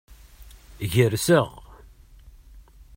Gerseɣ.